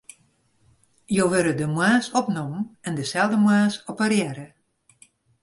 Jo wurde de moarns opnommen en deselde moarns operearre.